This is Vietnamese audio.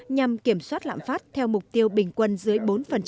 nhằm kiểm soát lạm phát theo mục tiêu bình quân dưới bốn